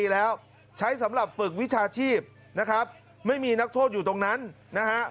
แล้วใช้สำหรับฝึกวิชาชีพนะครับไม่มีนักโทษอยู่ตรงนั้นนะฮะ